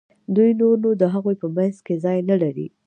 دوی نور نو د هغوی په منځ کې ځای نه لري.